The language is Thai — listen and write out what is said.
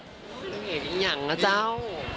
นางเอกยังนะเจ้า